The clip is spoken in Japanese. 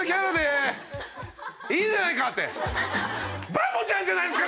「バボちゃんじゃないですか！